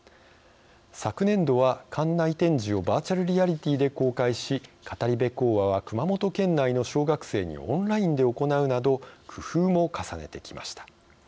昨年度は館内展示をバーチャルリアリティーで公開し語り部講話は熊本県内の小学生にオンラインで行うなど工夫も重ねてきました。